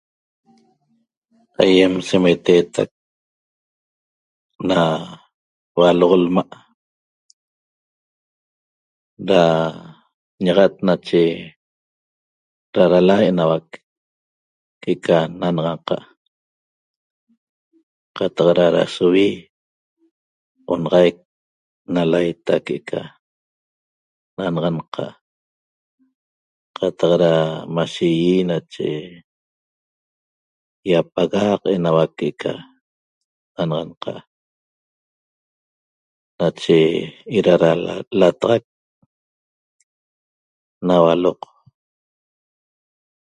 Aiem semetetac na hualoq lma' ra ñaxat nache rarala enauac que'eca nanaxanqa' qataq ra rasovi onaxaic na laita que'eca nanaxanqa' qataq ra mashe ŷi nache iapagaq enauac que'eca nanaxanqa' nache era ra lataxac na hualoq